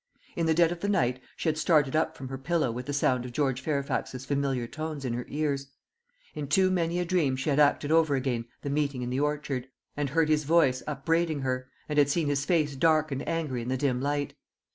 In the dead of the night she had started up from her pillow with the sound of George Fairfax's familiar tones in her ears; in too many a dream she had acted over again the meeting in the orchard, and heard his voice upbraiding her, and had seen his face dark and angry in the dim light.